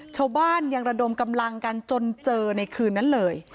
ชาวบ้านยังระดมกำลังกันจนเจอในคืนนั้นเลย